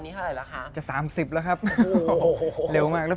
พี่ลินกระจักรแก้ก่อน